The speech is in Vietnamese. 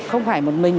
không phải một mình